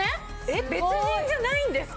別人じゃないんですか？